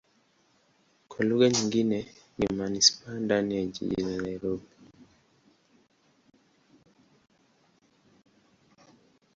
Kwa lugha nyingine ni manisipaa ndani ya jiji la Dar Es Salaam.